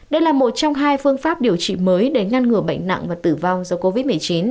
đây là một trong hai phương pháp điều trị mới để ngăn ngừa bệnh nặng và tử vong do covid một mươi chín